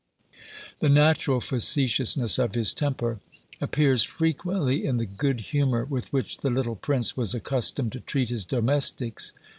The natural facetiousness of his temper appears frequently in the good humour with which the little prince was accustomed to treat his domestics.